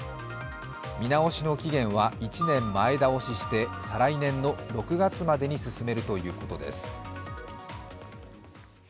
見直しの期限は１年前倒しして、再来年の６月までに進めるということです。